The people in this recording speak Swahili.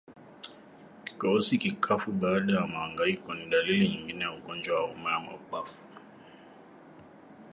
Kikohozi kikavu baada ya mahangaiko ni dalili nyingine ya ugonjwa wa homa ya mapafu